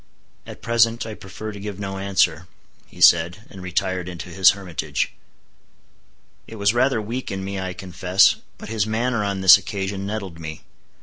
"At present I prefer to give no answer," he said, and retired into his hermitage. It was rather weak in me I confess, but his manner on this occasion nettled me.